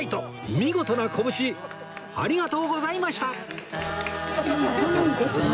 見事な拳ありがとうございました！